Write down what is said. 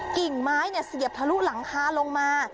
กิ่งไม้เสียบทะลุหลังคาลงมา